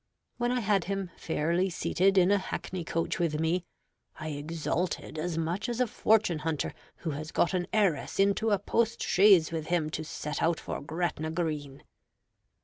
When I had him fairly seated in a hackney coach with me, I exulted as much as a fortune hunter who has got an heiress into a post chaise with him to set out for Gretna Green.